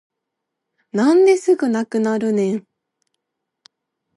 なんですぐなくなるねん